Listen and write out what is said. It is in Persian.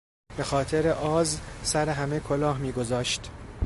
به خاطر آز سر همه کلاه میگذاشت.